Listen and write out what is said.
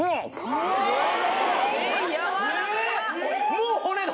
もう骨だけ。